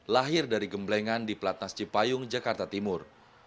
lahir dari gemblengan di pelatnas cipayung jakarta timur